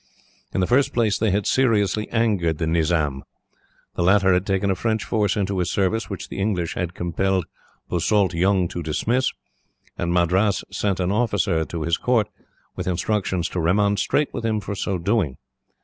In the first place, they had seriously angered the Nizam. The latter had taken a French force into his service, which the English had compelled Basult Jung to dismiss; and Madras sent an officer to his court, with instructions to remonstrate with him for so doing.